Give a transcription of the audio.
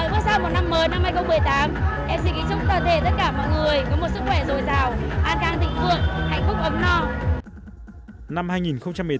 với sao một năm mới năm hai nghìn một mươi tám em xin kính chúc t competing tất cả mọi người có một sức khỏe dồi dào an càng dịp vượt hạnh phúc ohm no